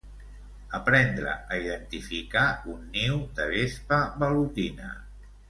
Aprendre a identificar un niu de vespa velutina.